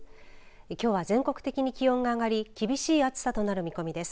きょうは全国的に気温が上がり厳しい暑さとなる見込みです。